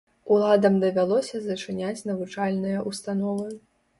Уладам давялося зачыняць навучальныя ўстановы.